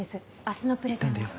明日のプレゼンは。